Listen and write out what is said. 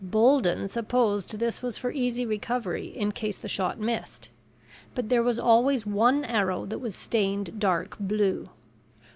Bolden supposed this was for easy recovery in case the shot missed. But there was always one arrow that was stained dark blue.